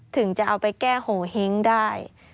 ถึงจะเอาไปแก้โหเฮ้งได้